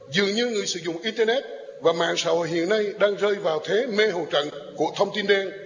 dường như người sử dụng internet và mạng xã hội hiện nay đang rơi vào thế mê hồ trọng của thông tin đen